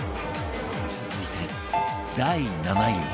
続いて第７位は